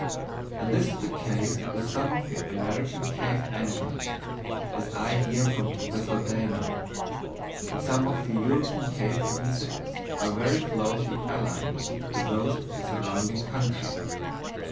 And this is the case with some of the American cave animals, as I hear from Professor Dana; and some of the European cave insects are very closely allied to those of the surrounding country.